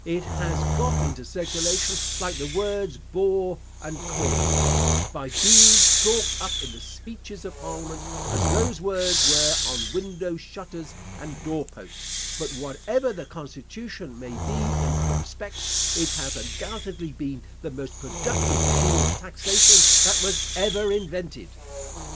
It has got into circulation like the words bore and quoz [quiz], by being chalked up in the speeches of parliament, as those words were on window shutters and doorposts; but whatever the constitution may be in other respects, it has undoubtedly been the most productive machine of taxation that was ever invented.